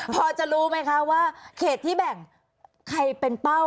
พอจะรู้ไหมคะว่าเขตที่แบ่งใครเป็นเป้า